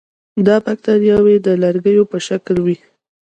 دا باکتریاوې د لرګو په شکل دي.